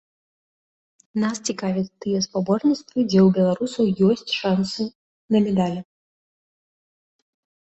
Нас цікавяць тыя спаборніцтвы, дзе ў беларусаў ёсць шанцы на медалі.